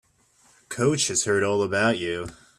Coach has heard all about you.